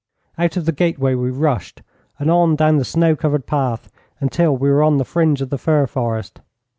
Out of the gateway we rushed, and on down the snow covered path until we were on the fringe of the fir forest.